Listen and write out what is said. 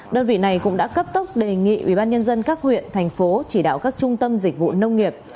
đơn vị này cũng đã cấp tốc đề nghị ubnd các huyện thành phố chỉ đạo các trung tâm dịch vụ nông nghiệp